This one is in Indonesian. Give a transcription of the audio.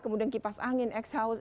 kemudian kipas angin exhaust